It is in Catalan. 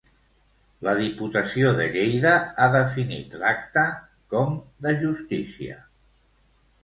La Diputació de Lleida ha definit l'acte com "de justícia".